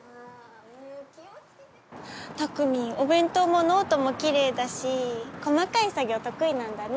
たくみんお弁当もノートもきれいだし細かい作業得意なんだね。